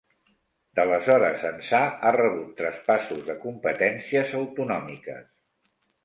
D'aleshores ençà ha rebut traspassos de competències autonòmiques.